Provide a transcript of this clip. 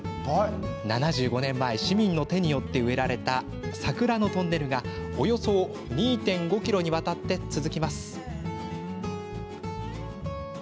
７５年前、市民の手によって植えられた桜のトンネルがおよそ２．５ｋｍにわたって続きます。